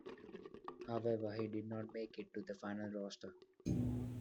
However he did not make it to the final roster.